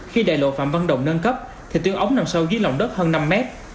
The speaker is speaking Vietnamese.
khi đại lộ phạm văn đồng nâng cấp thì tuyến ống nằm sâu dưới lòng đất hơn năm mét